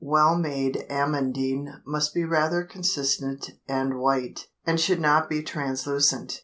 Well made amandine must be rather consistent and white, and should not be translucent.